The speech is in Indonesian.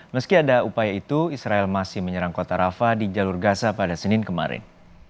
meski ada upaya itu israel masih menyerang kota rafa di jalur gaza pada senin kemarin